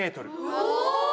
お！